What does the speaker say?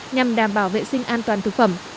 nhằm đảm bảo vệ sinh an toàn thực phẩm